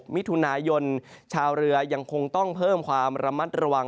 มิถุนายนชาวเรือยังคงต้องเพิ่มความระมัดระวัง